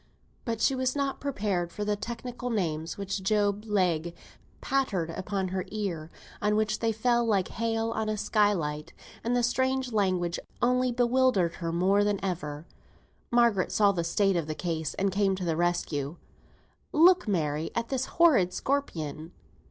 But she was not prepared for the technical names which Job Legh pattered down on her ear, on which they fell like hail on a skylight; and the strange language only bewildered her more than ever. Margaret saw the state of the case, and came to the rescue. "Look, Mary, at this horrid scorpion.